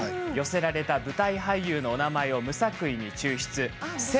寄せられた舞台俳優のお名前を無作為に抽出。